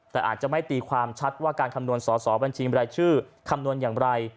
แต่อาจจะไม่ตีความชัดว่าการคำนวณสอสอบัญชีบรายชื่อคำนวณอย่างไร